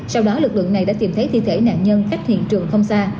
sau đó lực lượng này đã tìm thấy thi thể nạn nhân cách hiện trường không xa